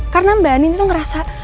karena mbak andin itu ngerasa